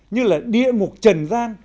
như là địa ngục trần gian